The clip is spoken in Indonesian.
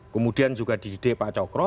kemudian juga di de pak cokro